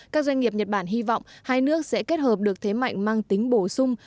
các doanh nghiệp nhật bản hy vọng hai nước sẽ kết hợp được thế mạnh mang tính bổ sung